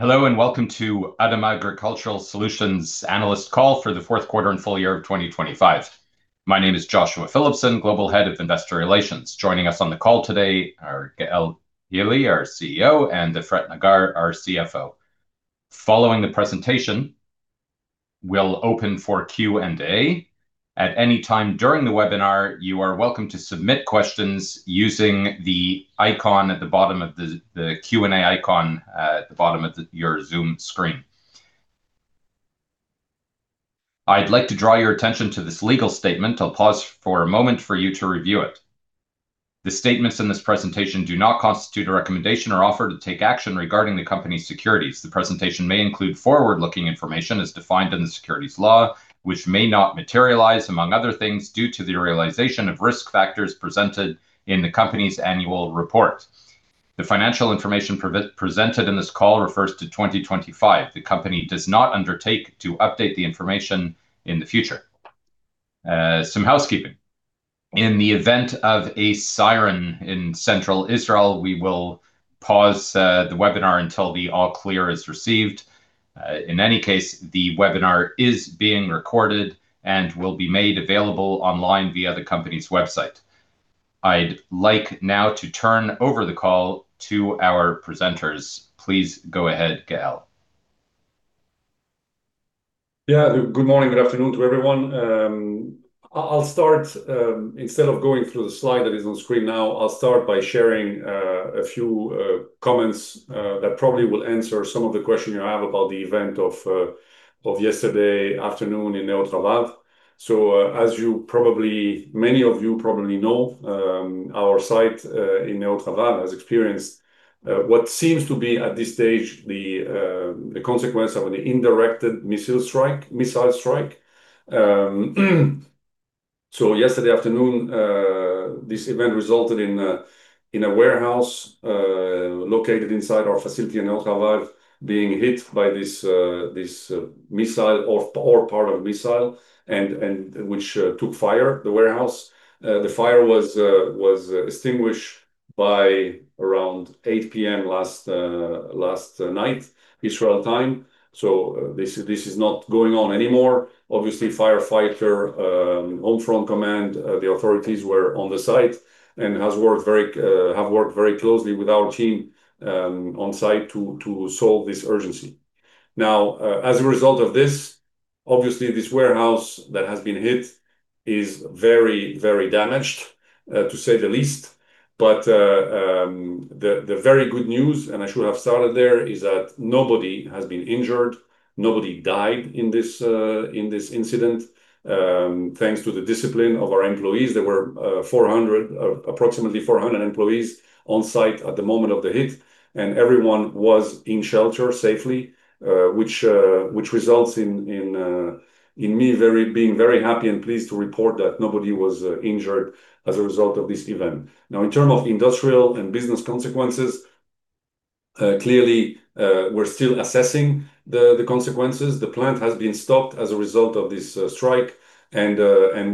Hello and welcome to ADAMA Agricultural Solutions analyst call for the fourth quarter and full year of 2025. My name is Joshua Phillipson, Global Head of Investor Relations. Joining us on the call today are Gaël Hili, our CEO, and Efrat Nagar, our CFO. Following the presentation, we'll open for Q&A. At any time during the webinar, you are welcome to submit questions using the Q&A icon at the bottom of your Zoom screen. I'd like to draw your attention to this legal statement. I'll pause for a moment for you to review it. The statements in this presentation do not constitute a recommendation or offer to take action regarding the company's securities. The presentation may include forward-looking information as defined in the securities law, which may not materialize, among other things, due to the realization of risk factors presented in the company's annual report. The financial information presented in this call refers to 2025. The company does not undertake to update the information in the future. Some housekeeping. In the event of a siren in Central Israel, we will pause the webinar until the all clear is received. In any case, the webinar is being recorded and will be made available online via the company's website. I'd like now to turn over the call to our presenters. Please go ahead, Gaël. Yeah. Good morning, good afternoon to everyone. I'll start, instead of going through the slide that is on screen now, by sharing a few comments that probably will answer some of the questions you have about the event of yesterday afternoon in Ne'ot Hovav. As you probably know, our site in Ne'ot Hovav has experienced what seems to be at this stage, the consequence of an indirect missile strike. Yesterday afternoon, this event resulted in a warehouse located inside our facility in Ne'ot Hovav being hit by this missile or part of a missile and which took fire, the warehouse. The fire was extinguished by around 8:00 P.M. last night, Israel time. This is not going on anymore. Obviously, firefighter, Home Front Command, the authorities were on the site and have worked very closely with our team on site to solve this urgency. Now, as a result of this, obviously this warehouse that has been hit is very damaged, to say the least. The very good news, and I should have started there, is that nobody has been injured. Nobody died in this incident, thanks to the discipline of our employees. There were approximately 400 employees on site at the moment of the hit, and everyone was in shelter safely, which results in me being very happy and pleased to report that nobody was injured as a result of this event. Now, in terms of industrial and business consequences, clearly, we're still assessing the consequences. The plant has been stopped as a result of this strike and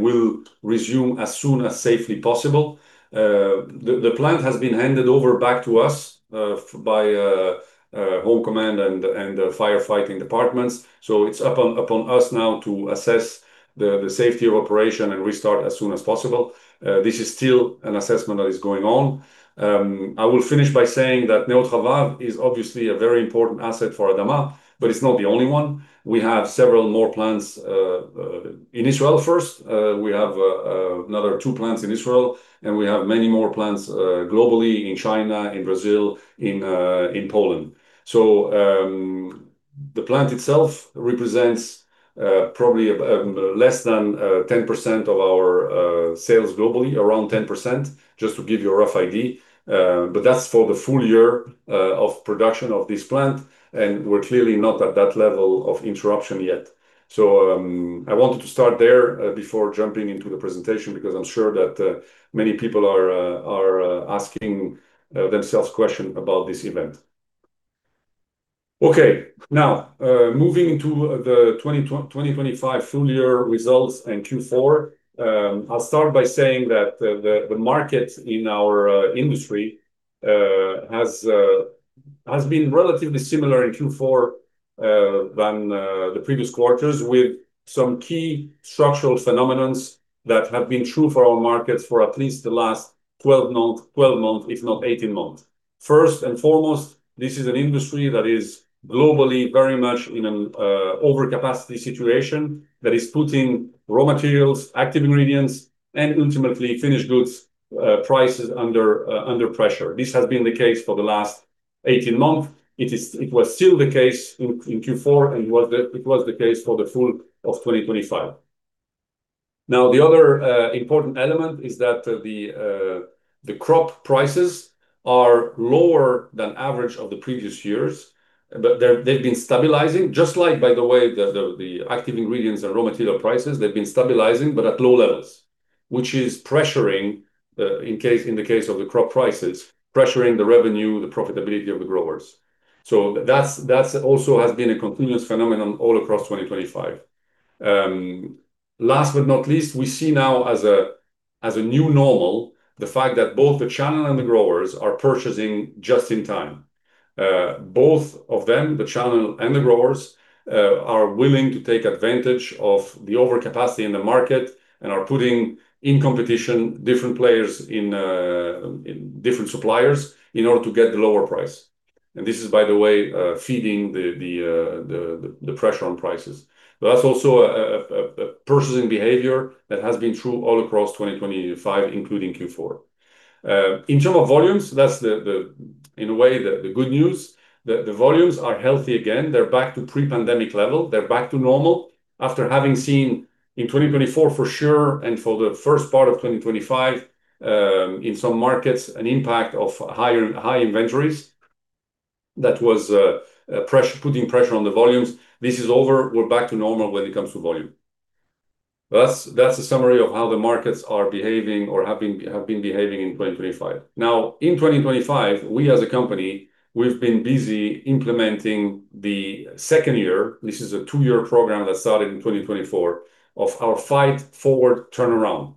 will resume as soon as safely possible. The plant has been handed over back to us by Home Front Command and the firefighting departments. It's upon us now to assess the safety of operation and restart as soon as possible. This is still an assessment that is going on. I will finish by saying that Ne'ot Hovav is obviously a very important asset for ADAMA, but it's not the only one. We have several more plants in Israel first. We have another two plants in Israel, and we have many more plants globally in China, in Brazil, in Poland. The plant itself represents probably less than 10% of our sales globally, around 10%, just to give you a rough idea. That's for the full year of production of this plant, and we're clearly not at that level of interruption yet. I wanted to start there before jumping into the presentation because I'm sure that many people are asking themselves questions about this event. Okay. Now, moving to the 2025 full-year results in Q4, I'll start by saying that the market in our industry has been relatively similar in Q4 to the previous quarters with some key structural phenomena that have been true for our markets for at least the last 12 months, if not 18 months. First and foremost, this is an industry that is globally very much in an overcapacity situation that is putting raw materials, active ingredients, and ultimately finished goods prices under pressure. This has been the case for the last 18 months. It was still the case in Q4, and it was the case for the full year of 2025. Now, the other important element is that the crop prices are lower than average of the previous years, but they've been stabilizing, just like, by the way, the active ingredients and raw material prices. They've been stabilizing, but at low levels, which is pressuring the revenue, in the case of the crop prices, pressuring the profitability of the growers. That's also has been a continuous phenomenon all across 2025. Last but not least, we see now as a new normal, the fact that both the channel and the growers are purchasing just in time. Both of them, the channel and the growers, are willing to take advantage of the overcapacity in the market and are putting in competition different players and different suppliers in order to get the lower price. This is by the way, feeding the pressure on prices. That's also a purchasing behavior that has been true all across 2025, including Q4. In terms of volumes, that's, in a way, the good news. The volumes are healthy again. They're back to pre-pandemic level. They're back to normal after having seen in 2024 for sure, and for the first part of 2025, in some markets, an impact of higher inventories that was putting pressure on the volumes. This is over. We're back to normal when it comes to volume. That's a summary of how the markets are behaving or have been behaving in 2025. Now, in 2025, we as a company, we've been busy implementing the second year. This is a two-year program that started in 2024 of our Fight Forward turnaround.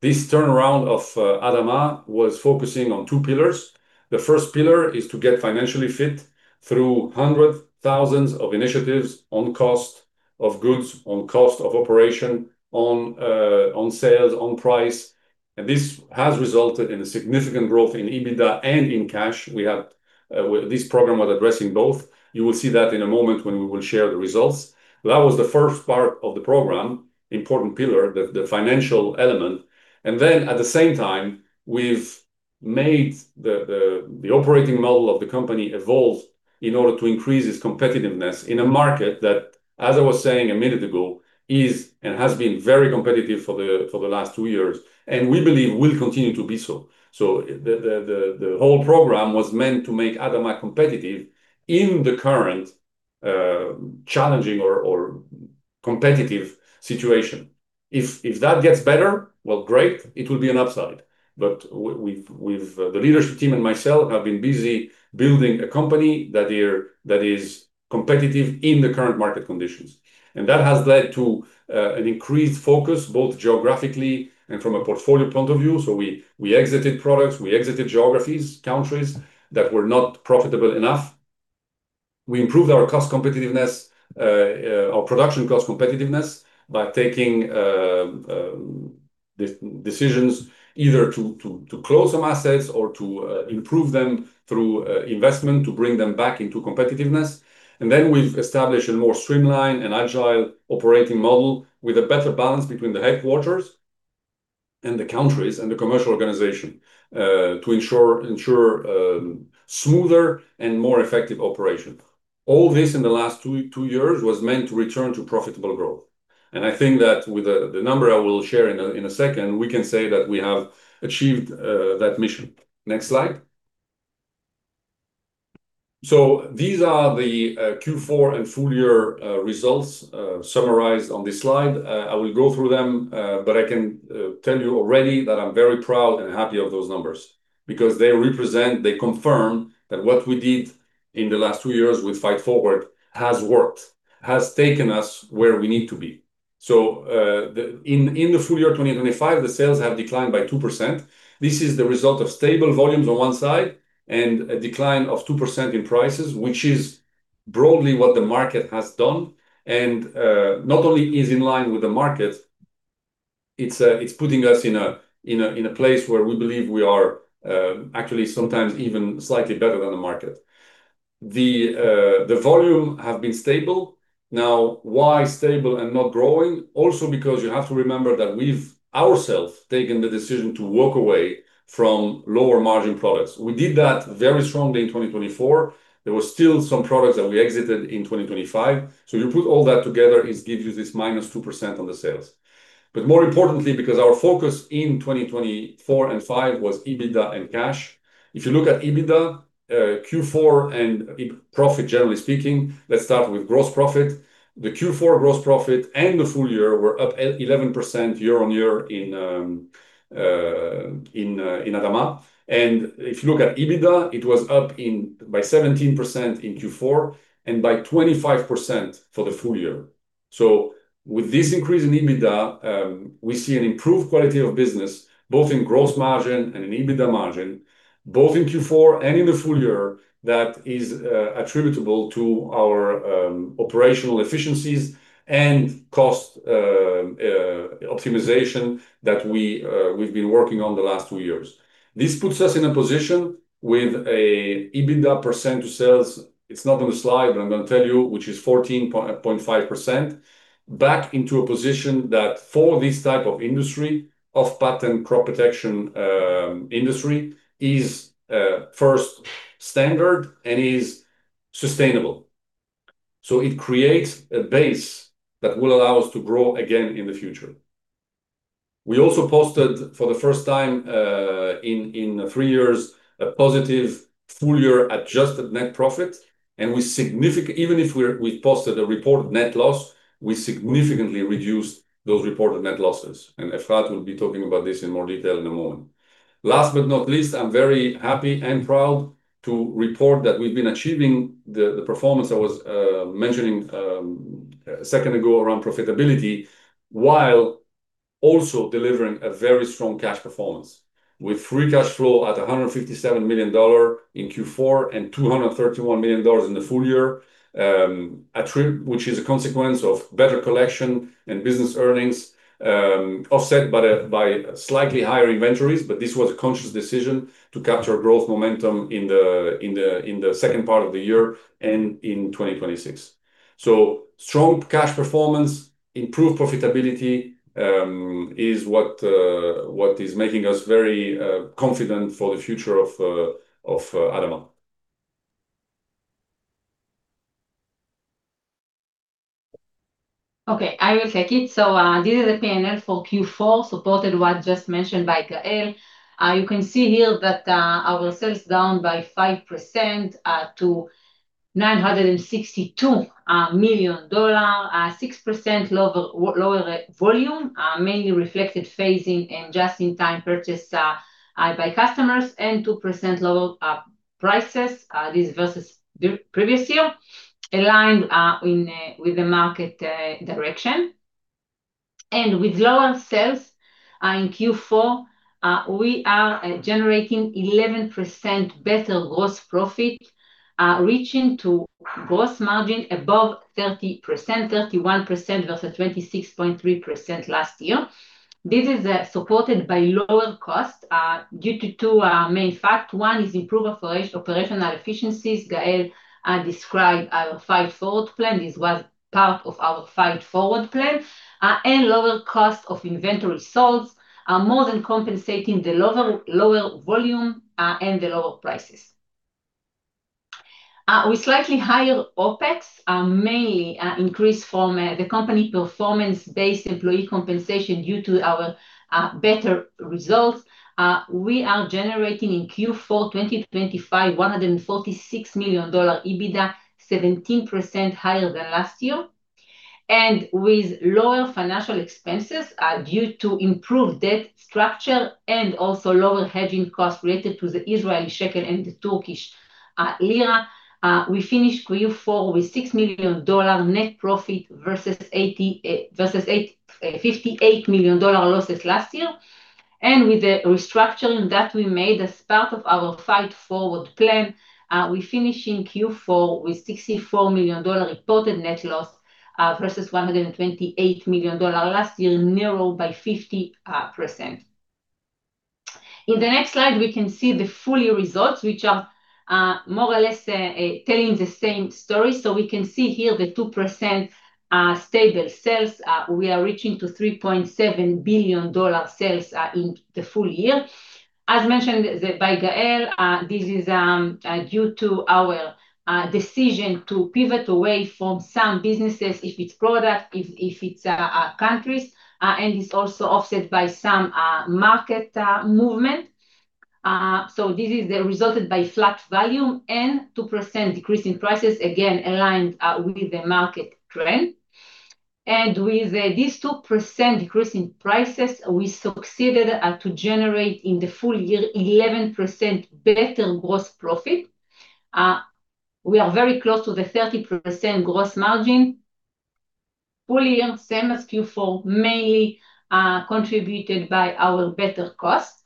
This turnaround of ADAMA was focusing on two pillars. The first pillar is to get financially fit through hundreds of thousands of initiatives on cost of goods, on cost of operation, on sales, on price. This has resulted in a significant growth in EBITDA and in cash. This program was addressing both. You will see that in a moment when we will share the results. That was the first part of the program, important pillar, the financial element. At the same time, we've made the operating model of the company evolve in order to increase its competitiveness in a market that, as I was saying a minute ago, is and has been very competitive for the last two years, and we believe will continue to be so. The whole program was meant to make ADAMA competitive in the current challenging or competitive situation. If that gets better, well, great, it will be an upside. But we've the leadership team and myself have been busy building a company that is competitive in the current market conditions. That has led to an increased focus both geographically and from a portfolio point of view. We exited products, we exited geographies, countries that were not profitable enough. We improved our cost competitiveness, our production cost competitiveness by taking decisions either to close some assets or to improve them through investment to bring them back into competitiveness. Then we've established a more streamlined and agile operating model with a better balance between the headquarters and the countries, and the commercial organization, to ensure smoother and more effective operation. All this in the last two years was meant to return to profitable growth. I think that with the number I will share in a second, we can say that we have achieved that mission. Next slide. These are the Q4 and full-year results summarized on this slide. I will go through them, but I can tell you already that I'm very proud and happy of those numbers because they represent, they confirm that what we did in the last two years with Fight Forward has worked, has taken us where we need to be. In the full year 2025, the sales have declined by 2%. This is the result of stable volumes on one side and a decline of 2% in prices, which is broadly what the market has done. Not only is it in line with the market, it's putting us in a place where we believe we are actually sometimes even slightly better than the market. The volumes have been stable. Now, why stable and not growing? Because you have to remember that we ourselves have taken the decision to walk away from lower-margin products. We did that very strongly in 2024. There were still some products that we exited in 2025. You put all that together, it gives you this -2% on the sales. But more importantly, because our focus in 2024 and 2025 was EBITDA and cash. If you look at EBITDA, Q4 and profit, generally speaking, let's start with gross profit. The Q4 gross profit and the full year were up 11% year-over-year in ADAMA. If you look at EBITDA, it was up by 17% in Q4 and by 25% for the full year. With this increase in EBITDA, we see an improved quality of business, both in gross margin and in EBITDA margin, both in Q4 and in the full year that is attributable to our operational efficiencies and cost optimization that we've been working on the last two years. This puts us in a position with a EBITDA percent to sales. It's not on the slide, but I'm gonna tell you, which is 14.5% back into a position that for this type of industry, off-patent crop protection, industry is first standard and is sustainable. It creates a base that will allow us to grow again in the future. We also posted for the first time in three years a positive full year adjusted net profit. We posted a reported net loss, we significantly reduced those reported net losses. Efrat will be talking about this in more detail in a moment. Last but not least, I'm very happy and proud to report that we've been achieving the performance I was mentioning a second ago around profitability, while also delivering a very strong cash performance. With free cash flow at $157 million in Q4 and $231 million in the full year, which is a consequence of better collection and business earnings, offset by slightly higher inventories, but this was a conscious decision to capture growth momentum in the second part of the year and in 2026. Strong cash performance, improved profitability, is what is making us very confident for the future of ADAMA. Okay, I will take it. This is a P&L for Q4, supported by what was just mentioned by Gaël. You can see here that our sales down by 5% to $962 million, 6% lower volume, mainly reflected phasing and just-in-time purchase by customers, and 2% lower prices versus the previous year, aligned with the market direction. With lower sales in Q4, we are generating 11% better gross profit, reaching to gross margin above 30%, 31% versus 26.3% last year. This is supported by lower costs due to two main factors. One is improvement in operational efficiencies. Gaël described our Fight Forward plan. This was part of our Fight Forward plan. Lower cost of inventory sales are more than compensating the lower volume, and the lower prices. With slightly higher OpEx, mainly increased from the company performance-based employee compensation due to our better results, we are generating in Q4 2025 $146 million EBITDA, 17% higher than last year. With lower financial expenses, due to improved debt structure and also lower hedging costs related to the Israeli shekel and the Turkish lira, we finished Q4 with $6 million net profit versus $58 million losses last year. With the restructuring that we made as part of our Fight Forward plan, we finish in Q4 with $64 million reported net loss, versus $128 million last year, narrowed by 50%. In the next slide, we can see the full-year results, which are more or less telling the same story. We can see here 2% stable sales. We are reaching $3.7 billion sales in the full year. As mentioned by Gaël, this is due to our decision to pivot away from some businesses, if it's product, if it's countries, and it's also offset by some market movement. This is resulted by flat volume and 2% decrease in prices, again, aligned with the market trend. With these 2% decrease in prices, we succeeded to generate in the full year 11% better gross profit. We are very close to the 30% gross margin. Full year, same as Q4, mainly contributed by our better costs.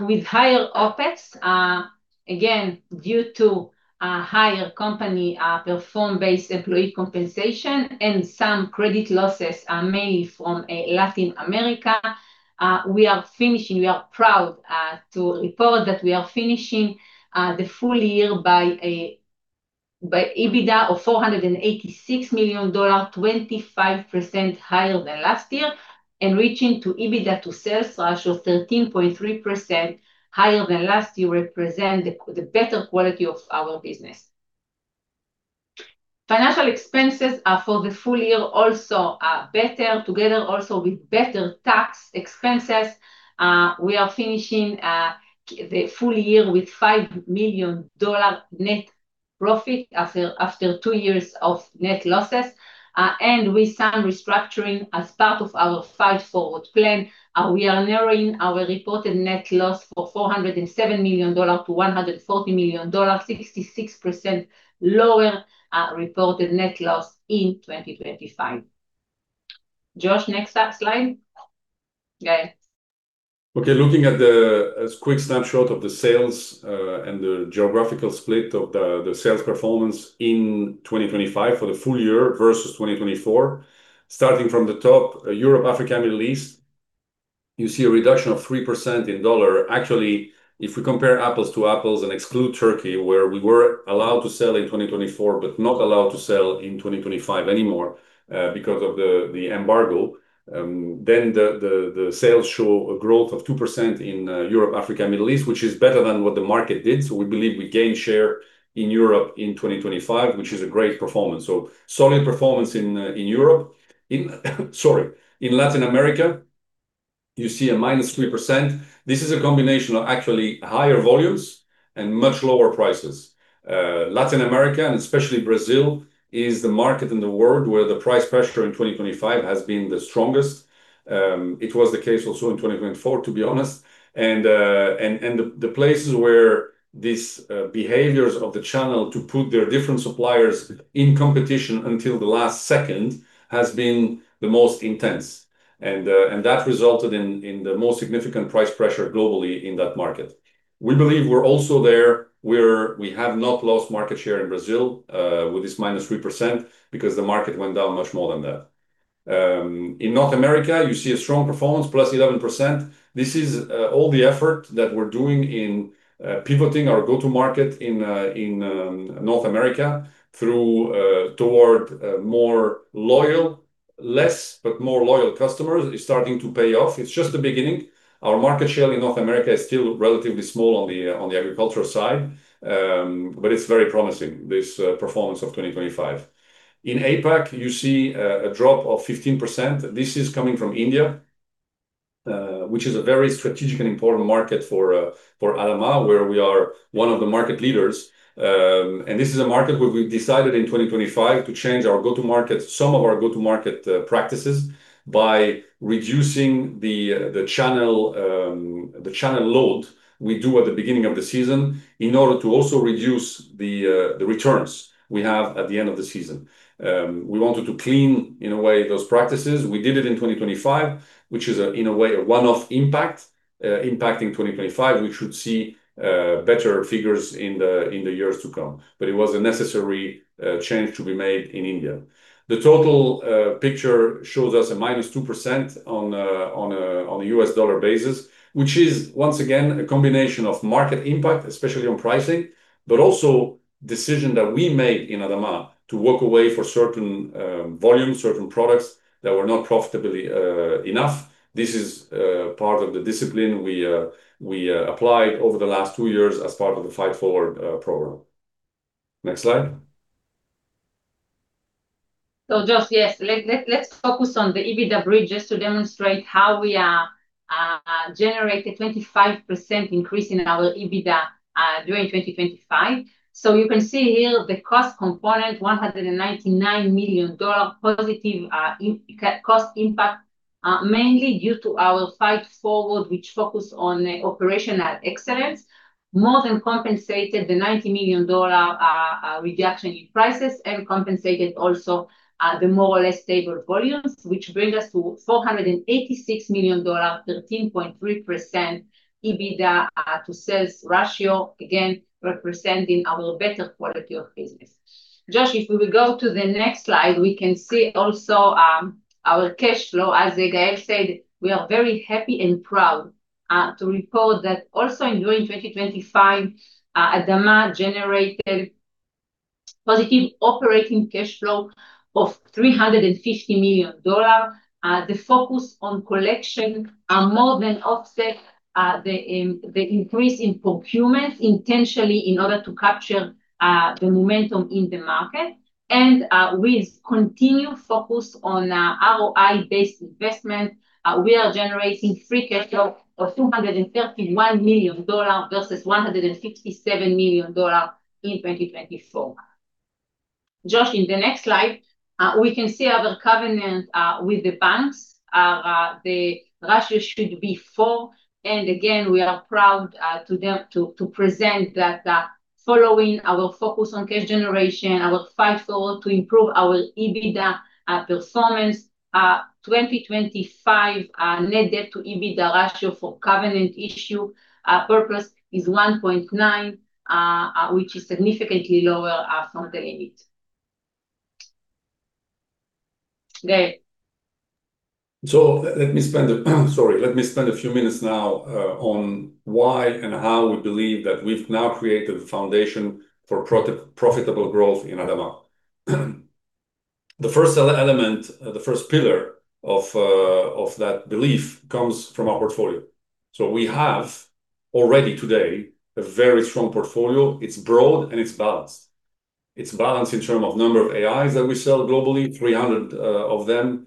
With higher OpEx, again, due to higher company performance-based employee compensation and some credit losses, mainly from Latin America, we are finishing. We are proud to report that we are finishing the full year with an EBITDA of $486 million, 25% higher than last year, and reaching an EBITDA-to-sales ratio 13.3% higher than last year, representing the better quality of our business. Financial expenses for the full year also are better. Together also with better tax expenses, we are finishing the full year with $5 million net profit after two years of net losses. With some restructuring as part of our Fight Forward plan, we are narrowing our reported net loss from $407 million to $140 million, 66% lower reported net loss in 2025. Josh, next slide. Gaël. Okay. Looking at the quick snapshot of the sales and the geographical split of the sales performance in 2025 for the full year versus 2024. Starting from the top, Europe, Africa, Middle East, you see a reduction of 3% in dollar. Actually, if we compare apples to apples and exclude Turkey, where we were allowed to sell in 2024, but not allowed to sell in 2025 anymore, because of the embargo, then the sales show a growth of 2% in Europe, Africa, Middle East, which is better than what the market did. We believe we gained share in Europe in 2025, which is a great performance. Solid performance in Europe. Sorry. In Latin America, you see a -3%. This is a combination of actually higher volumes and much lower prices. Latin America, and especially Brazil, is the market in the world where the price pressure in 2025 has been the strongest. It was the case also in 2024, to be honest. The places where this behavior of the channel to put their different suppliers in competition until the last second has been the most intense. That resulted in the most significant price pressure globally in that market. We believe we're also there where we have not lost market share in Brazil with this -3% because the market went down much more than that. In North America, you see a strong performance, +11%. This is all the effort that we're doing in pivoting our go-to market in North America through toward more loyal, less but more loyal customers is starting to pay off. It's just the beginning. Our market share in North America is still relatively small on the agricultural side, but it's very promising, this performance of 2025. In APAC, you see a drop of 15%. This is coming from India, which is a very strategic and important market for ADAMA, where we are one of the market leaders. This is a market where we decided in 2025 to change our go-to-market, some of our go-to-market practices by reducing the channel load we do at the beginning of the season in order to also reduce the returns we have at the end of the season. We wanted to clean, in a way, those practices. We did it in 2025, which is, in a way, a one-off impact impacting 2025. We should see better figures in the years to come. It was a necessary change to be made in India. The total picture shows us a -2% on a U.S. dollar-basis, which is, once again, a combination of market impact, especially on pricing, but also, a decision that we made in ADAMA to walk away from certain volume, certain products that were not profitable enough. This is part of the discipline we applied over the last two years as part of the Fight Forward program. Next slide. Josh, yes. Let's focus on the EBITDA bridge just to demonstrate how we are generating 25% increase in our EBITDA during 2025. You can see here the cost component, $199 million positive cost impact, mainly due to our Fight Forward, which focus on operational excellence, more than compensated the $90 million reduction in prices and compensated also the more or less stable volumes, which bring us to $486 million, 13.3% EBITDA-to-sales ratio, again, representing our better quality of business. Josh, if we go to the next slide, we can see also our cash flow. As Gaël said, we are very happy and proud to report that also during 2025, ADAMA generated positive operating cash flow of $350 million. The focus on collection more than offset the increase in procurement intentionally in order to capture the momentum in the market. With continued focus on ROI-based investment, we are generating free cash flow of $231 million versus $157 million in 2025. Josh, in the next slide, we can see our covenant with the banks. The ratio should be 4, and again, we are proud to present that, following our focus on cash generation, our Fight Forward to improve our EBITDA performance, 2025 net debt-to-EBITDA ratio for covenant purposes is 1.9, which is significantly lower than the limit. Gaël. Let me spend a few minutes now on why and how we believe that we've now created a foundation for profitable growth in ADAMA. The first element, the first pillar of that belief comes from our portfolio. We have already today a very strong portfolio. It's broad and it's balanced. It's balanced in terms of number of AIs that we sell globally, 300 of them.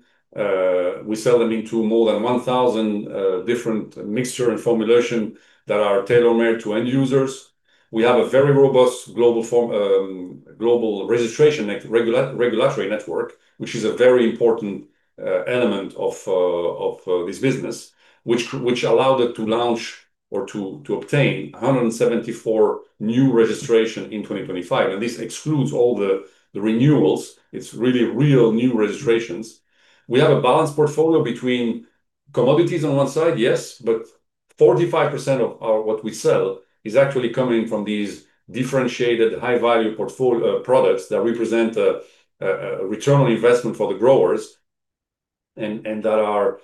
We sell them into more than 1,000 different mixture and formulation that are tailor-made to end users. We have a very robust global registration regulatory network, which is a very important element of this business, which allowed it to launch or to obtain 174 new registration in 2025, and this excludes all the renewals. It's really real new registrations. We have a balanced portfolio between commodities on one side, yes, but 45% of our, what we sell is actually coming from these differentiated high-value products that represent a return on investment for the growers and that are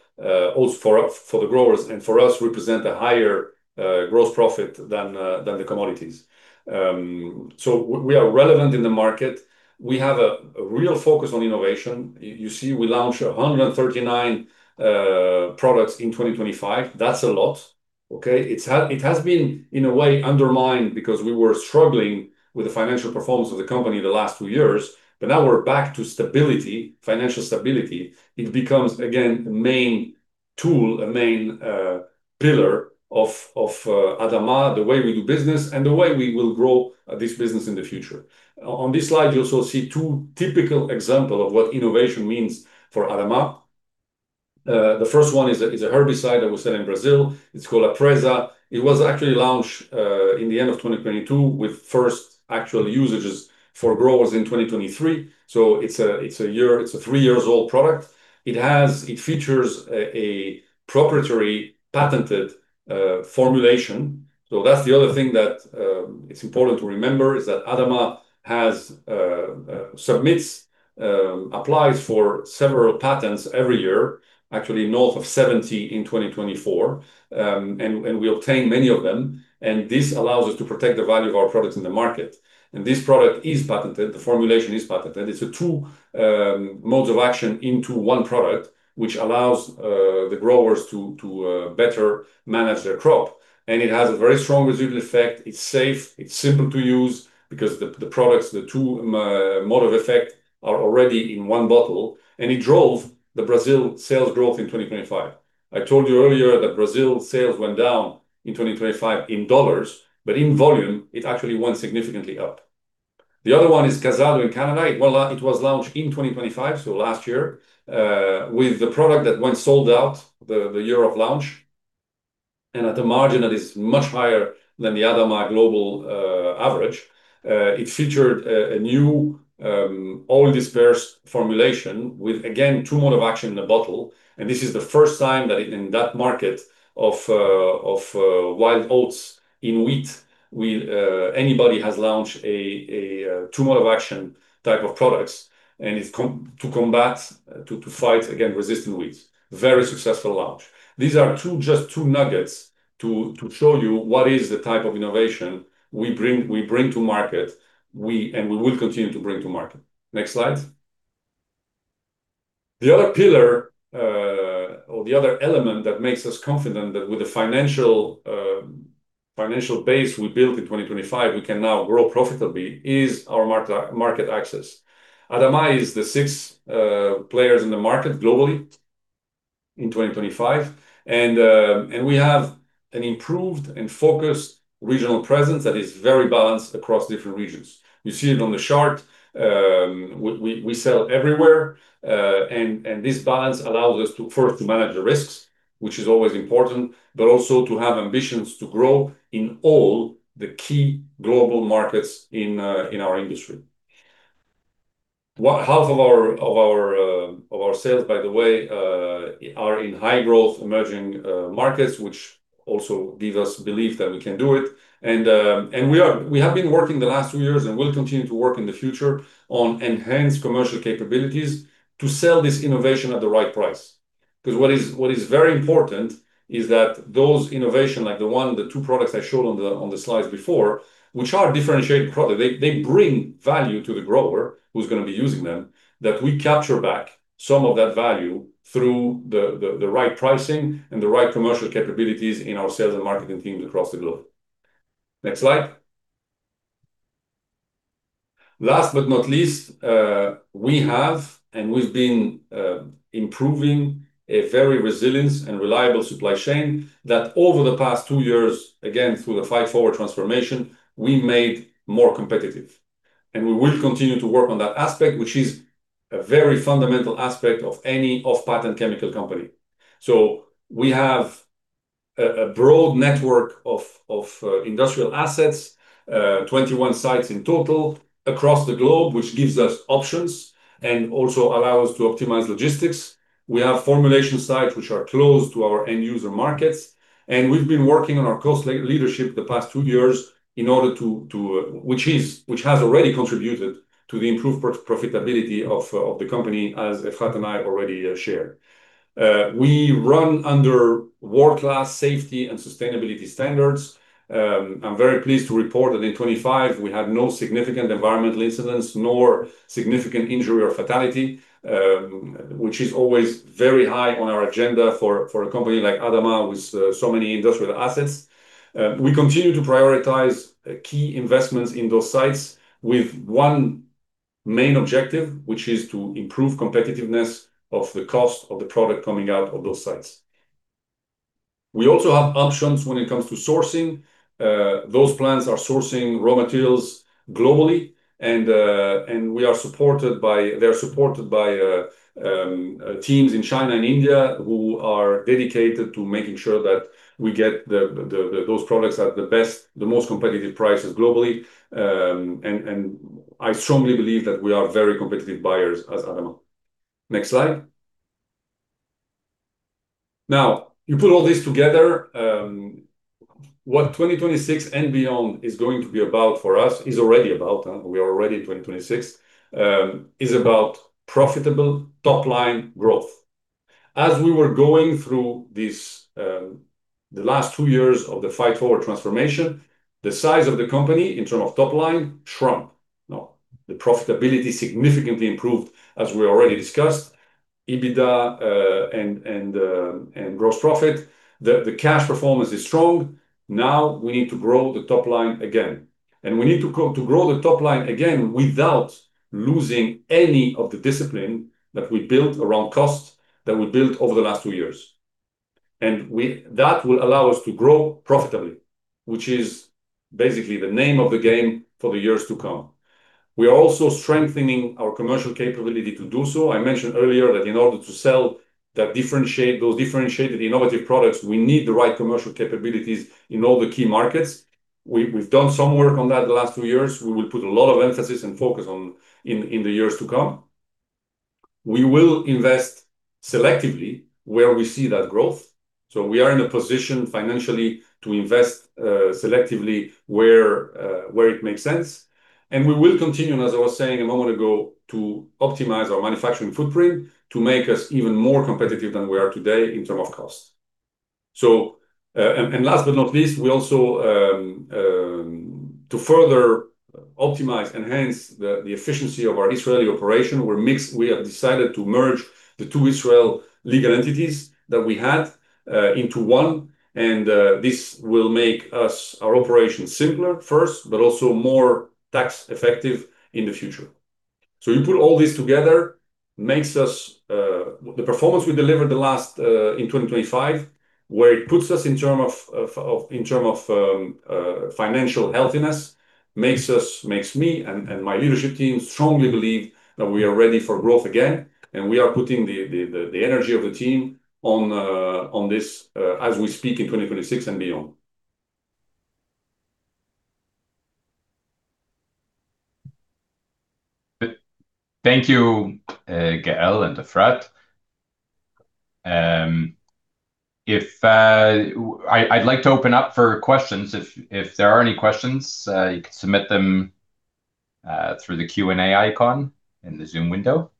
also for the growers and for us represent a higher gross profit than the commodities. We are relevant in the market. We have a real focus on innovation. You see we launched 139 products in 2025. That's a lot. Okay. It has been, in a way, undermined because we were struggling with the financial performance of the company the last two years. Now we're back to stability, financial stability. It becomes again the main tool, a main pillar of ADAMA, the way we do business, and the way we will grow this business in the future. On this slide, you also see two typical example of what innovation means for ADAMA. The first one is a herbicide that was sold in Brazil. It's called Apresa. It was actually launched in the end of 2022, with first actual usages for growers in 2023. It's a three-year-old product. It features a proprietary patented formulation. That's the other thing that it's important to remember, is that ADAMA applies for several patents every year, actually north of 70 in 2024, and we obtain many of them, and this allows us to protect the value of our products in the market. This product is patented. The formulation is patented. It's two modes of action into one product, which allows the growers to better manage their crop, and it has a very strong residual effect. It's safe, it's simple to use because the two modes of action are already in one bottle. It drove the Brazil sales growth in 2025. I told you earlier that Brazil sales went down in 2025 in dollars, but in volume, it actually went significantly up. The other one is CAZADO in Canada. It was launched in 2025, so last year, with the product that sold out the year of launch and at a margin that is much higher than the ADAMA global average. It featured a new oil-dispersed formulation with again two mode of action in a bottle. This is the first time that in that market of wild oats in wheat where anybody has launched a two mode of action type of products. It's to combat, to fight against resistant weeds. Very successful launch. These are just two nuggets to show you what is the type of innovation we bring to market. We will continue to bring to market. Next slide. The other pillar or the other element that makes us confident that with the financial base we built in 2025, we can now grow profitably is our market access. ADAMA is the sixth player in the market globally in 2025. We have an improved and focused regional presence that is very balanced across different regions. You see it on the chart. We sell everywhere. This balance allows us to first manage the risks, which is always important, but also to have ambitions to grow in all the key global markets in our industry. Half of our sales, by the way, are in high-growth emerging markets, which also gives us belief that we can do it. We have been working the last few years and will continue to work in the future on enhanced commercial capabilities to sell this innovation at the right price. 'Cause what is very important is that those innovation, like the one, the two products I showed on the slides before, which are differentiated product, they bring value to the grower who's gonna be using them, that we capture back some of that value through the right pricing and the right commercial capabilities in our sales and marketing teams across the globe. Next slide. Last but not least, we have and we've been improving a very resilient and reliable supply chain that over the past two years, again, through the Fight Forward transformation, we made more competitive. We will continue to work on that aspect, which is a very fundamental aspect of any off-patent chemical company. We have a broad network of industrial assets, 21 sites in total across the globe, which gives us options and also allow us to optimize logistics. We have formulation sites which are close to our end user markets, and we've been working on our cost leadership the past two years, which has already contributed to the improved profitability of the company, as Efrat and I already shared. We run under world-class safety and sustainability standards. I'm very pleased to report that in 2025, we had no significant environmental incidents nor significant injury or fatality, which is always very high on our agenda for a company like ADAMA with so many industrial assets. We continue to prioritize key investments in those sites with one main objective, which is to improve competitiveness of the cost of the product coming out of those sites. We also have options when it comes to sourcing. Those plants are sourcing raw materials globally, and they're supported by teams in China and India who are dedicated to making sure that we get those products at the best, the most competitive prices globally. I strongly believe that we are very competitive buyers as ADAMA. Next slide. Now, you put all this together, what 2026 and beyond is going to be about for us is already about, huh? We are already in 2026. It is about profitable top-line growth. As we were going through this, the last two years of the Fight Forward transformation, the size of the company in terms of top line shrunk. Now, the profitability significantly improved, as we already discussed, EBITDA, and gross profit. The cash performance is strong. Now we need to grow the top line again. We need to grow the top line again without losing any of the discipline that we built around costs over the last two years. That will allow us to grow profitably, which is basically the name of the game for the years to come. We are also strengthening our commercial capability to do so. I mentioned earlier that in order to sell those differentiated innovative products, we need the right commercial capabilities in all the key markets. We've done some work on that the last two years. We will put a lot of emphasis and focus on in the years to come. We will invest selectively where we see that growth. We are in a position financially to invest selectively where it makes sense. We will continue, as I was saying a moment ago, to optimize our manufacturing footprint to make us even more competitive than we are today in terms of cost. Last but not least, we also, to further optimize, enhance the efficiency of our Israeli operation, we have decided to merge the two Israeli legal entities that we had into one, and this will make our operation simpler first, but also more tax effective in the future. You put all this together, makes us the performance we delivered last in 2025, where it puts us in terms of financial healthiness makes me and my leadership team strongly believe that we are ready for growth again, and we are putting the energy of the team on this as we speak in 2026 and beyond. Thank you, Gaël and Efrat. I'd like to open up for questions. If there are any questions, you can submit them through the Q&A icon in the Zoom window.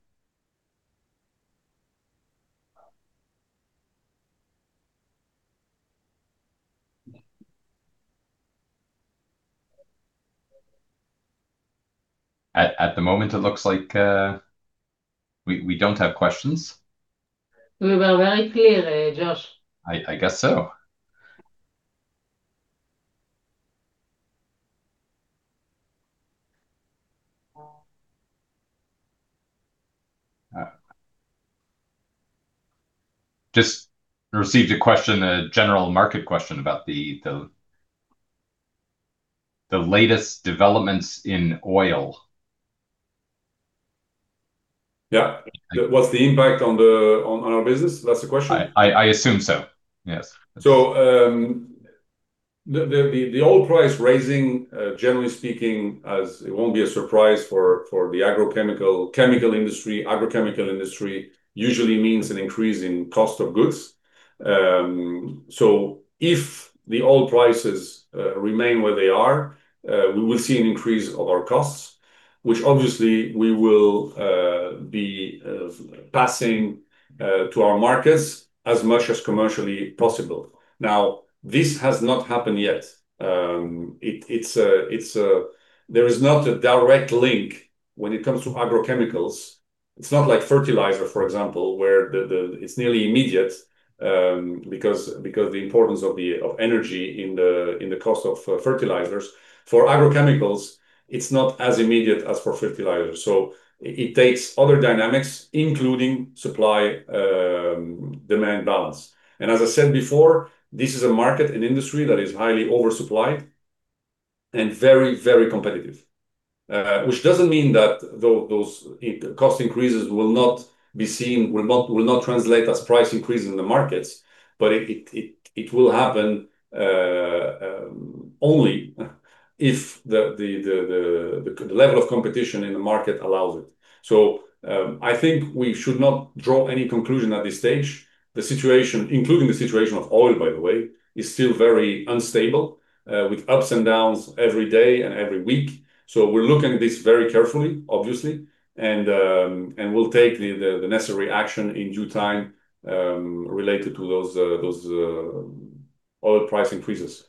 At the moment, it looks like we don't have questions. We were very clear, Josh. I guess so. Just received a question, a general market question about the latest developments in oil. Yeah. What's the impact on our business? That's the question? I assume so. Yes. The oil prices rising, generally speaking, as it won't be a surprise for the agrochemical chemical industry. Agrochemical industry usually means an increase in cost of goods. If the oil prices remain where they are, we will see an increase of our costs, which obviously we will be passing to our markets as much as commercially possible. Now, this has not happened yet. There is not a direct link when it comes to agrochemicals. It is not like fertilizer, for example, where it is nearly immediate, because the importance of energy in the cost of fertilizers. For agrochemicals, it is not as immediate as for fertilizers. It takes other dynamics, including supply-demand balance. As I said before, this is a market and industry that is highly oversupplied and very, very competitive. Which doesn't mean that those cost increases will not be seen, will not translate as price increase in the markets, but it will happen only if the level of competition in the market allows it. I think we should not draw any conclusion at this stage. The situation, including the situation of oil, by the way, is still very unstable with ups and downs every day and every week. We're looking at this very carefully, obviously, and we'll take the necessary action in due time related to those oil price increases.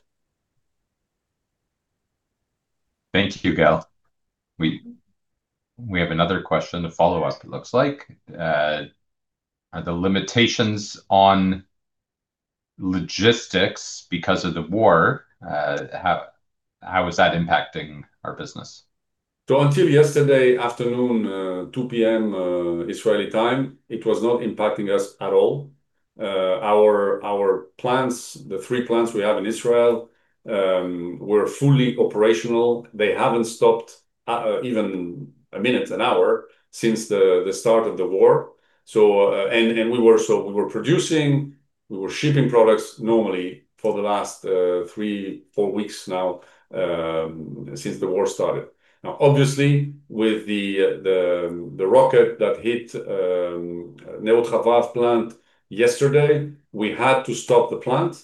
Thank you, Gaël. We have another question to follow up, it looks like. Are the limitations on logistics because of the war? How is that impacting our business? Until yesterday afternoon, 2:00 P.M., Israeli time, it was not impacting us at all. Our plants, the three plants we have in Israel, were fully operational. They haven't stopped, even a minute, an hour since the start of the war. We were producing, we were shipping products normally for the last three, four weeks now, since the war started. Now, obviously, with the rocket that hit Ne'ot Hovav plant yesterday, we had to stop the plant.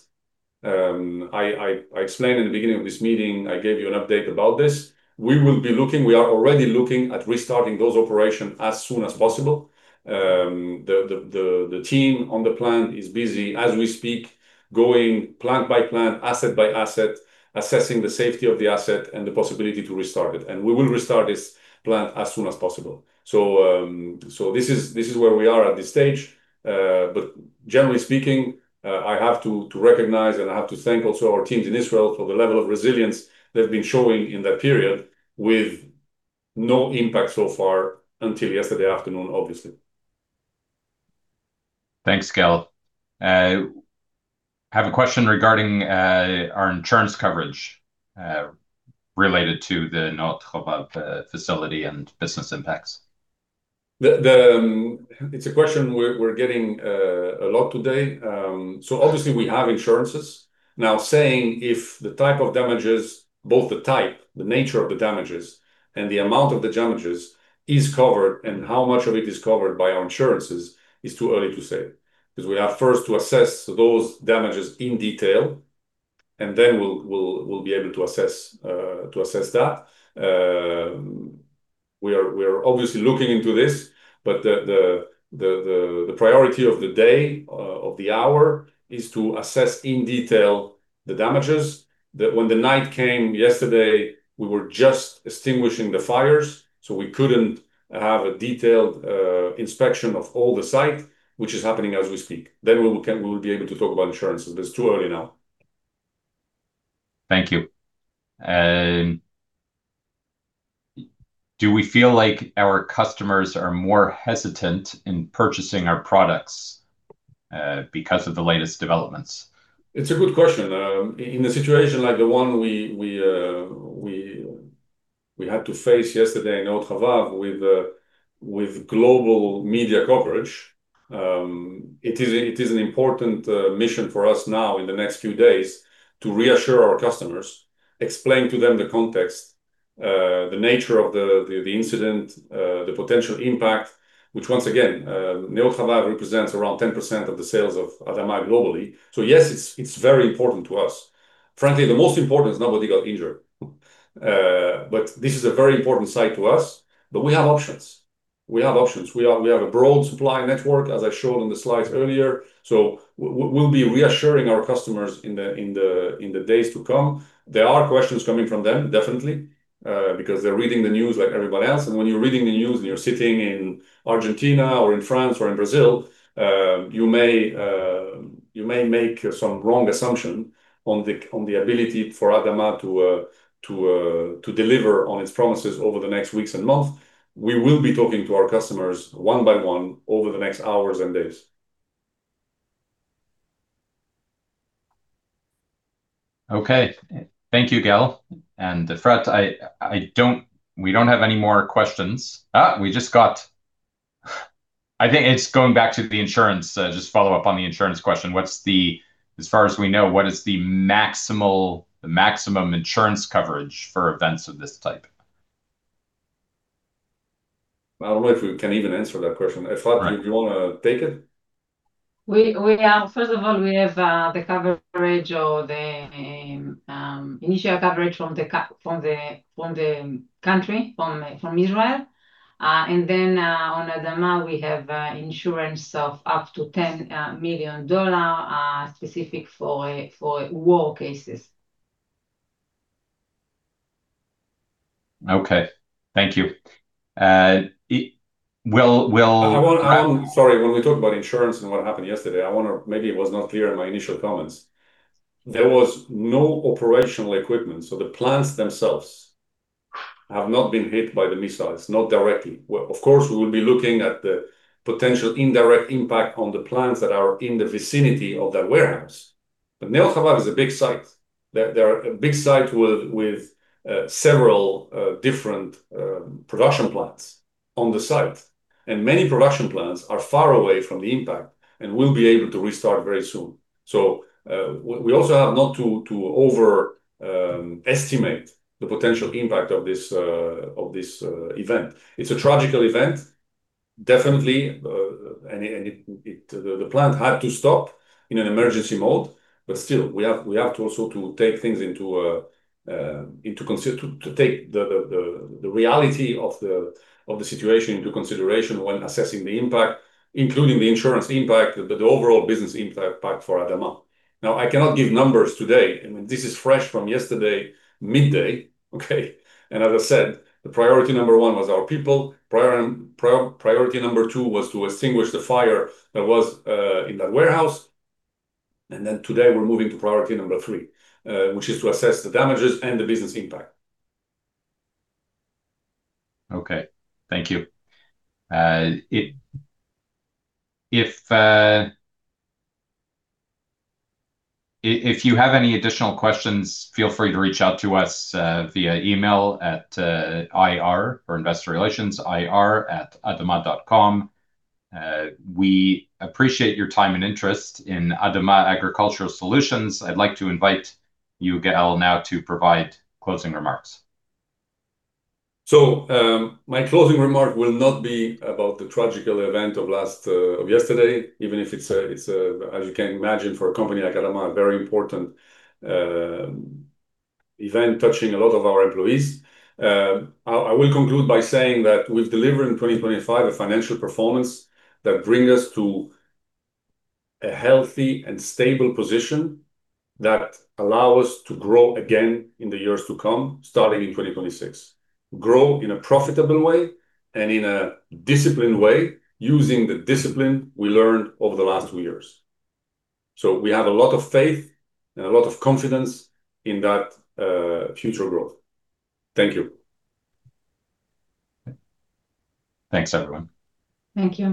I explained in the beginning of this meeting, I gave you an update about this. We are already looking at restarting those operations as soon as possible. The team on the plant is busy as we speak, going plant by plant, asset by asset, assessing the safety of the asset and the possibility to restart it. We will restart this plant as soon as possible. This is where we are at this stage. Generally speaking, I have to recognize, and I have to thank also our teams in Israel for the level of resilience they've been showing in that period with no impact so far until yesterday afternoon, obviously. Thanks, Gaël. I have a question regarding our insurance coverage related to the Ne'ot Hovav facility and business impacts. It's a question we're getting a lot today. Obviously we have insurances. Now, saying if the type of damages, the nature of the damages, and the amount of the damages is covered and how much of it is covered by our insurances is too early to say. Because we have first to assess those damages in detail, and then we'll be able to assess that. We are obviously looking into this, but the priority of the day, of the hour is to assess in detail the damages. When the night came yesterday, we were just extinguishing the fires, so we couldn't have a detailed inspection of all the site, which is happening as we speak. We will be able to talk about insurances. It's too early now. Thank you. Do we feel like our customers are more hesitant in purchasing our products, because of the latest developments? It's a good question. In a situation like the one we had to face yesterday in Ne'ot Hovav with global media coverage, it is an important mission for us now in the next few days to reassure our customers, explain to them the context, the nature of the incident, the potential impact, which once again, Ne'ot Hovav represents around 10% of the sales of ADAMA globally. Yes, it's very important to us. Frankly, the most important is nobody got injured. But this is a very important site to us, but we have options. We have a broad supply network, as I showed on the slides earlier. We'll be reassuring our customers in the days to come. There are questions coming from them, definitely, because they're reading the news like everybody else. When you're reading the news and you're sitting in Argentina or in France or in Brazil, you may make some wrong assumption on the ability for ADAMA to deliver on its promises over the next weeks and month. We will be talking to our customers one by one over the next hours and days. Okay. Thank you, Gaël. Efrat, we don't have any more questions. I think it's going back to the insurance. Just follow up on the insurance question. As far as we know, what is the maximum insurance coverage for events of this type? I don't know if we can even answer that question. Efrat, do you wanna take it? First of all, we have the coverage or the initial coverage from the country, from Israel. On ADAMA, we have insurance of up to $10 million specific for war cases. Okay. Thank you. We'll— Sorry, when we talk about insurance and what happened yesterday, I wanna—maybe it was not clear in my initial comments. There was no operational equipment, so the plants themselves have not been hit by the missiles, not directly. Well, of course, we will be looking at the potential indirect impact on the plants that are in the vicinity of that warehouse. But Ne'ot Hovav is a big site. They are a big site with several different production plants on the site. Many production plants are far away from the impact and will be able to restart very soon. We also have not to overestimate the potential impact of this event. It is a tragical event, definitely. The plant had to stop in an emergency mode. We have to also take the reality of the situation into consideration when assessing the impact, including the insurance impact, the overall business impact for ADAMA. Now, I cannot give numbers today. I mean, this is fresh from yesterday midday, okay? As I said, the priority number one was our people. Priority number two was to extinguish the fire that was in that warehouse. Then today we're moving to priority number three, which is to assess the damages and the business impact. Okay. Thank you. If you have any additional questions, feel free to reach out to us via email at IR, or Investor Relations, ir@adama.com. We appreciate your time and interest in ADAMA Agricultural Solutions. I'd like to invite you, Gaël, now to provide closing remarks. My closing remark will not be about the tragic event of yesterday, even if it's a, as you can imagine, for a company like ADAMA, a very important event touching a lot of our employees. I will conclude by saying that we've delivered in 2025 a financial performance that bring us to a healthy and stable position that allow us to grow again in the years to come, starting in 2026. Grow in a profitable way and in a disciplined way using the discipline we learned over the last two years. We have a lot of faith and a lot of confidence in that future growth. Thank you. Thanks, everyone. Thank you.